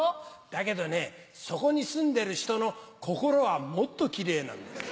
だけどねそこに住んでる人の心はもっとキレイなんです。